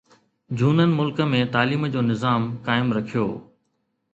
جهونن ملڪ ۾ تعليم جو نظام قائم رکيو